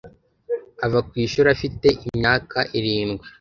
Ava ku ishuri afite imyaka irindwi.